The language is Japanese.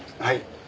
はい。